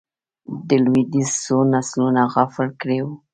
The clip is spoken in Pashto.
د لوېدیځ څو نسلونه غافل کړي وو.